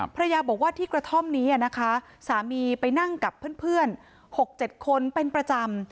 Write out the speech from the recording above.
ภรรยาบอกว่าที่กระท่อมนี้นะคะสามีไปนั่งกับเพื่อน๖๗คนเป็นประจำ